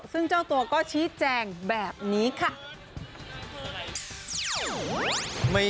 ซึ่งเจ้าตัวก็ชี้แจงแบบนี้ค่ะ